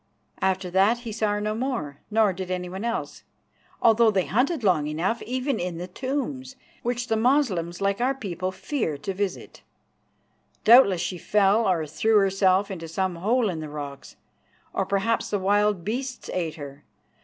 After that he saw her no more, nor did anyone else, although they hunted long enough, even in the tombs, which the Moslems, like our people, fear to visit. Doubtless she fell or threw herself into some hole in the rocks; or perhaps the wild beasts ate her.